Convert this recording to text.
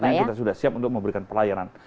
nah artinya kita sudah siap untuk memberikan pelayanan